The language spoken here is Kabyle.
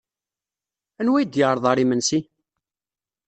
Anwa ay d-yeɛreḍ ɣer yimensi?